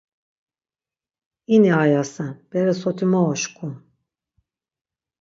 İni ayasen, bere soti mot oşǩum.